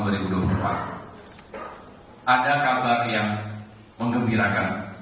ada kabar yang mengembirakan